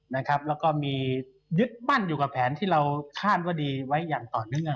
แล้วก็มียึดมั่นอยู่กับแผนที่เราคาดว่าดีไว้อย่างต่อเนื่อง